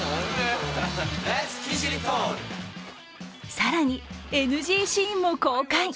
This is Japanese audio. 更にＮＧシーンも公開。